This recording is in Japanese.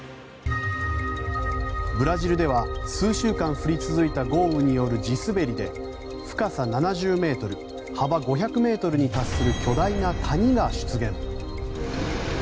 ブラジルでは数週間降り続いた豪雨による地滑りで深さ７０ｍ、幅５００ｍに達する巨大な谷が出現。